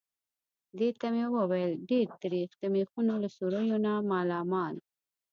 دې ته مې وویل: ډېر تریخ. د مېخونو له سوریو نه مالامال.